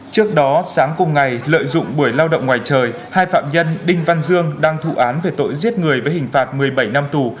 trước đó sáng cùng ngày lợi dụng buổi lao động ngoài trời hai phạm nhân đinh văn dương đang thụ án về tội giết người với hình phạt một mươi bảy năm tù